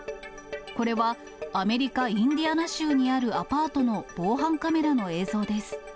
これはアメリカ・インディアナ州にあるアパートの防犯カメラの映像です。